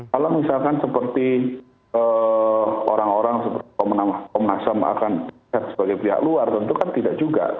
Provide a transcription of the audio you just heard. kalau misalkan seperti orang orang seperti komnas ham akan sebagai pihak luar tentu kan tidak juga